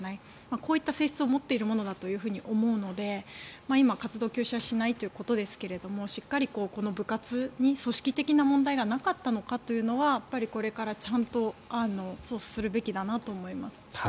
こういった性質を持っているものだと思うので今、活動休止はしないということですがしっかりこの部活に組織的な問題がなかったのかというのはこれからちゃんと捜査するべきだなと思います。